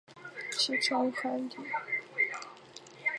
其常栖息于海底。